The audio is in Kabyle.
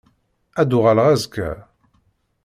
Ad d-uɣaleɣ azekka.